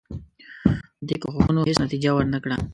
دې کوښښونو هیڅ نتیجه ورنه کړه.